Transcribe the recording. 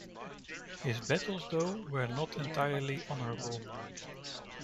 His battles, though, were not entirely honourable.